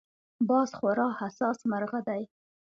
باز خورا حساس مرغه دی